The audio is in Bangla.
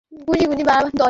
পৃথিবীতে কিছু তো হচ্ছে।